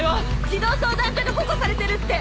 児童相談所に保護されてるって。